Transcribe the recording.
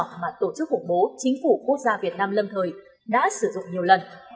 mà tổ chức khủng bố chính phủ quốc gia việt nam lâm thời đã sử dụng nhiều lần